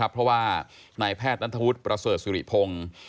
เพราะว่านายแพทย์นัทธวุฒิประเสริฐศิริพงศ์